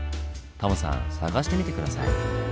タモさん探してみて下さい。